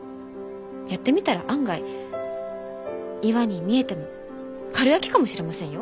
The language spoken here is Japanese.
やってみたら案外岩に見えてもかるやきかもしれませんよ。